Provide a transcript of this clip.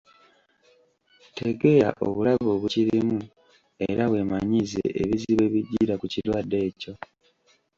Tegeera obulabe obukirimu era weemanyiize ebizibu ebijjira ku kirwadde ekyo.